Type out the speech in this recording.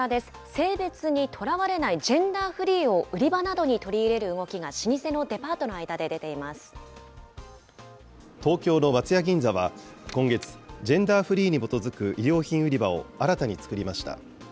性別にとらわれないジェンダーフリーを売り場などに取り入れる動きが、老舗のデパートの間で出て東京の松屋銀座は今月、ジェンダーフリーに基づく衣料品売り場を新たに作りました。